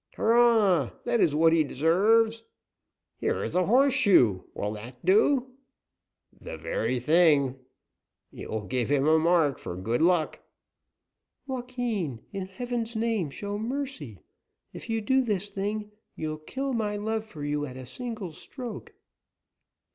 "Hurrah! That is what he deserves!" "Here is a horseshoe; will that do?" "The very thing!" "It will give him a mark for good luck!" "Joaquin! In heaven's name show mercy! If you do this thing, you kill my love for you at a single stroke."